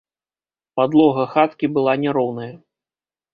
Падлога хаткі была няроўная.